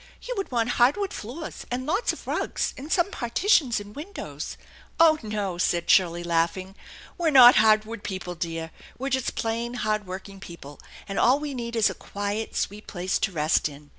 You would want hardwood floors, and lots of rugs, and some partitions and windows "" Oh, no," said Shirley, laughing. " We're not hardwood people, dear; we're just plain hard working people; and all Ire need is a quiet, sweet place to rest in.